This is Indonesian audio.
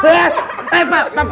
eh eh pak